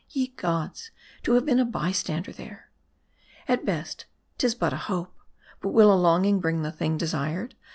Ye gods ! to have been a bystander there !" At best, 'tis but a hope. But will a longing bring the thing desired